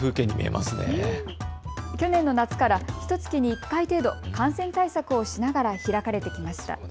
去年の夏からひとつきに１回程度、感染対策をしながら開かれてきました。